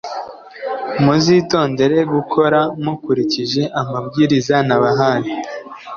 muzitondere gukora mukurikije amabwiriza nabahaye.